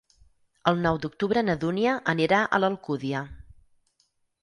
El nou d'octubre na Dúnia anirà a l'Alcúdia.